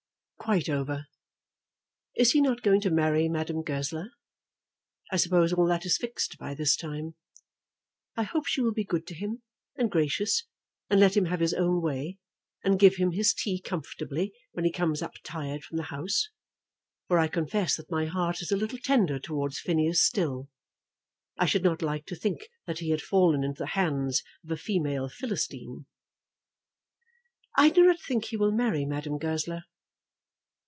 "Quite over. Is he not going to marry Madame Goesler? I suppose all that is fixed by this time. I hope she will be good to him, and gracious, and let him have his own way, and give him his tea comfortably when he comes up tired from the House; for I confess that my heart is a little tender towards Phineas still. I should not like to think that he had fallen into the hands of a female Philistine." "I do not think he will marry Madame Goesler."